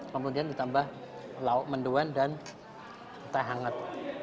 kemudian ditambah lauk menduan dan entah hangat